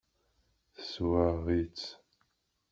Teswaɣ-itt.